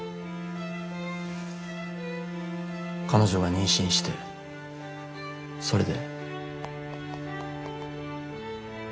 彼女が妊娠してそれで。